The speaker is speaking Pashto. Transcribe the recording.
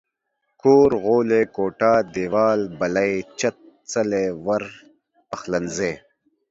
کور ، غولی، کوټه، ديوال، بلۍ، چت، څلی، ور، پخلنځي